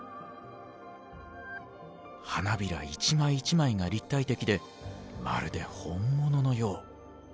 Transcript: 花びら一枚一枚が立体的でまるで本物のよう。